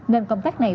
nên công tác này